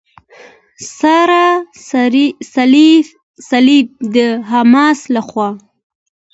سره صلیب د حماس لخوا.